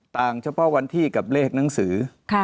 เฉพาะวันที่กับเลขหนังสือ